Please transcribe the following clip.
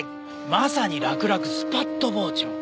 まさにらくらくスパッと包丁。